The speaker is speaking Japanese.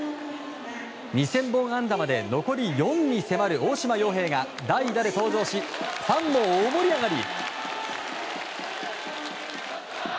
２０００本安打まで残り４に迫る大島洋平が代打で登場しファンも大盛り上がり！